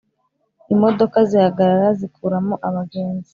imodoka zihagarara zkuram abagenzi.